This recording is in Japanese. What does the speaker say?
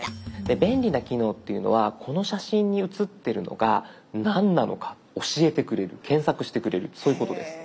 便利な機能っていうのはこの写真に写ってるのが何なのか教えてくれる検索してくれるそういうことです。